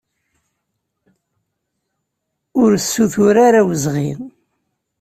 Ur ssutur ara awezɣi!